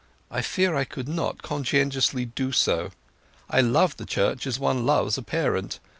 I fear I could not conscientiously do so. I love the Church as one loves a parent.